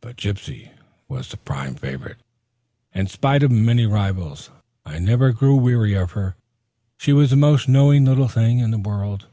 But Gypsy was the prime favorite, in spite of many rivals. I never grew weary of her. She was the most knowing little thing in the world.